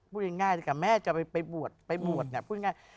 พูดง่ายกับแม่จะไปบวชไปบวชเนี่ยพูดง่าย